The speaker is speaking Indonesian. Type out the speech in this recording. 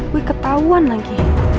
wih ketauan lagi